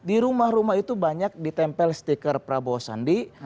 di rumah rumah itu banyak ditempel stiker prabowo sandi